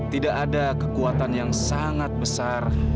tidak ada kekuatan yang sangat besar